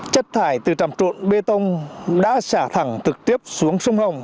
chất thải từ tràm trộn bê tông đã xả thẳng trực tiếp xuống sông hồng